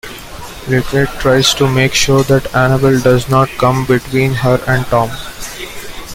Lynette tries to make sure that Annabel does not come between her and Tom.